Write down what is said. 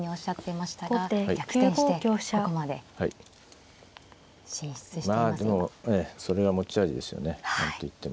まあでもそれが持ち味ですよね何と言っても。